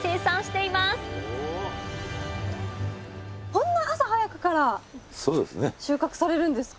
こんな朝早くから収穫されるんですか？